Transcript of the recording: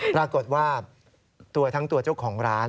ปรากฏว่าตัวทั้งตัวเจ้าของร้าน